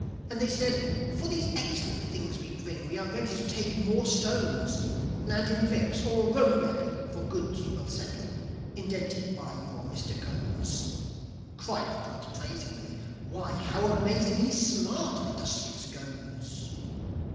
And they said, "For these excellent things we bring We are ready to take more stones; And in bricks or road metal For goods you will settle Indented by your Mister Ghones." Cried the Glugs praisingly, "Why how amazingly Smart of industrious Ghones!"